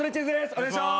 お願いします。